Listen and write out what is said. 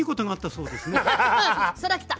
そらきた！